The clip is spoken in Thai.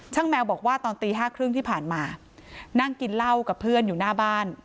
แมวบอกว่าตอนตีห้าครึ่งที่ผ่านมานั่งกินเหล้ากับเพื่อนอยู่หน้าบ้าน